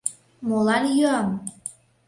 Молан йӱам?